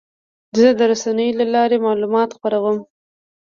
زه د رسنیو له لارې معلومات خپروم.